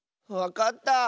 わかった！